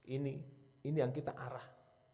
ini ini yang kita arah